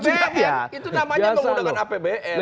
juga ya itu namanya pengundangan apbn